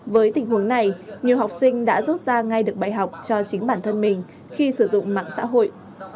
với tình huống này nhiều học sinh đã rút ra ngay được bài học cho chính bản thân mình khi sử dụng mạng xã hội